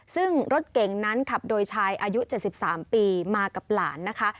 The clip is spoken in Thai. ซึ่งรถเก่งนั้นขับโดยชายอายุ๗๓ปีมากับหลานนะคะ